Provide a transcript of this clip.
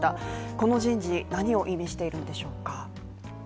この人事何を意味しているんでしょうか？